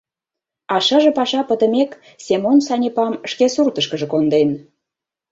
А шыже паша пытымек, Семон Санепам шке суртышкыжо конден...